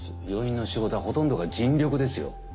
病院の仕事はほとんどが人力ですよ。